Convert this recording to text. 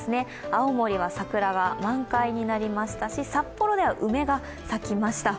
青森は桜は満開になりましたし札幌では梅が咲きました。